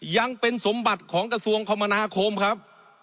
ยังเป็นสมบัติของกระทรวงคมนาคมครับ